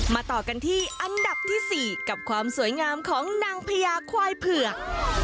ต่อกันที่อันดับที่๔กับความสวยงามของนางพญาควายเผือก